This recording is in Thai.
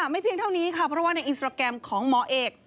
ไม่เพียงเท่านี้ค่ะเพราะว่าในอินสตราแกรมของหมอเอก